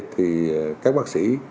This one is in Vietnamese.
thì các bác sĩ